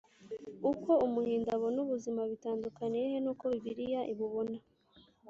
uko umuhindu abona ubuzima bitandukaniye he n’uko bibiliya ibubona?